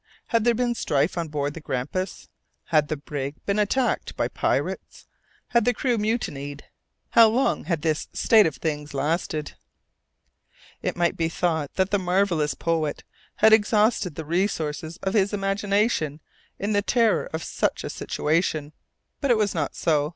Had there been strife on board the Grampus? Had the brig been attacked by pirates? Had the crew mutinied? How long had this state of things lasted? It might be thought that the marvellous poet had exhausted the resources of his imagination in the terror of such a situation; but it was not so.